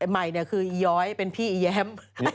ใหม่คือย้อยเป็นพี่แย้ม